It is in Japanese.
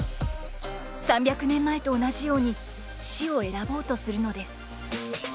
３００年前と同じように死を選ぼうとするのです。